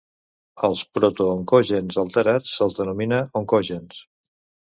Als protooncogens alterats se'ls denomina oncogens.